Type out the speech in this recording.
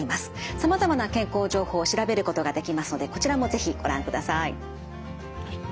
さまざまな健康情報を調べることができますのでこちらも是非ご覧ください。